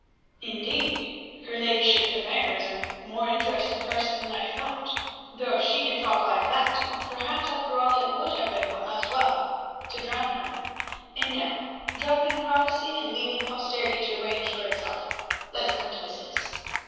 "Indeed, her ladyship the Mare is a more interesting person than I thought, though if she can talk like that, perhaps, after all, it would have been as well to drown her. And now, dropping prophecy and leaving posterity to arrange for itself, let us come to business.